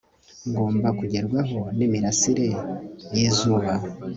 Ngomba kugerwaho nimirasire yi zuba